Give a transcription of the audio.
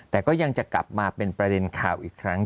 แต่ก็ยังจะกลับมาเป็นประเด็นข่าวอีกครั้ง